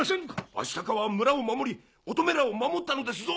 アシタカは村を守り乙女らを守ったのですぞ！